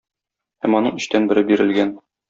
Һәм аның өчтән бере бирелгән.